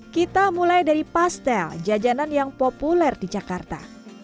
kita mulai dari pastel jajanan yang populer di jakarta